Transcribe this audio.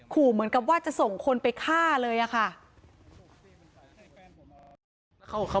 ขู่เหมือนกับว่าจะส่งคนไปฆ่าเลยอะค่ะ